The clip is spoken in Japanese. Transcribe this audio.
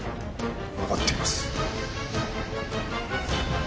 わかっています。